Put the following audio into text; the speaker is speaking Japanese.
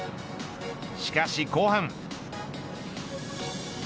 しかし後半。